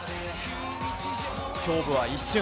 勝負は一瞬。